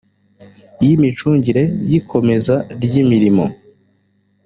y imicungire y ikomeza ry imirimo